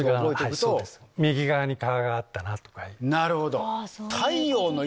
なるほど！